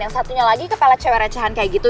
yang satunya lagi kepala cewek recehan kayak gitu